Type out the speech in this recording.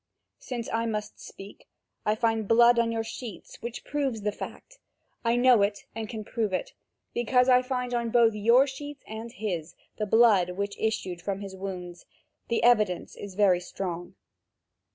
"Since I must speak, I find blood on your sheets, which proves the fact. I know it and can prove it, because I find on both your sheets and his the blood which issued from his wounds: the evidence is very strong."